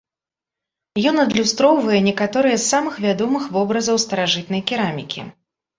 Ён адлюстроўвае некаторыя з самых вядомых вобразаў старажытнай керамікі.